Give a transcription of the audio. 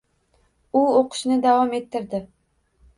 U oʻqishni davom ettirdi